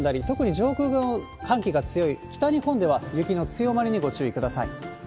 特に上空の寒気が強い北日本では、雪の強まりにご注意ください。